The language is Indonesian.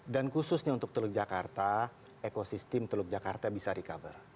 dan khususnya untuk teluk jakarta ekosistem teluk jakarta bisa recover